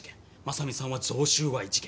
真実さんは贈収賄事件。